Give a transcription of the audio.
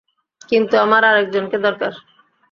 কিন্তু আমার আরেকজনকে দরকার।